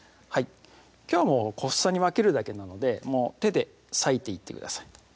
きょうはもう小房に分けるだけなので手で割いていってください